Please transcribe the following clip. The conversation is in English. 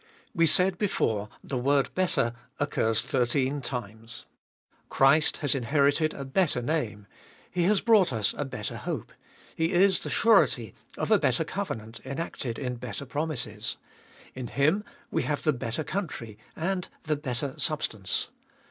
We said before, the word "better" occurs thirteen times. Christ has inherited a better name ; He has brought us a better hope ; He is the surety of a better covenant enacted in better promises; in Him we have the better country and the better substance.